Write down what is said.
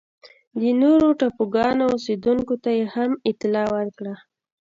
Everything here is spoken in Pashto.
د نورو ټاپوګانو اوسېدونکو ته یې هم اطلاع ورکړه.